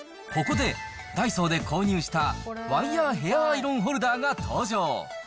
ここでダイソーで購入したワイヤーヘアアイロンホルダーが登場。